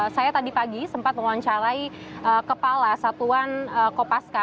saya tadi pagi sempat mewawancarai kepala satuan kopaska